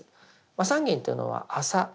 麻三斤というのは麻。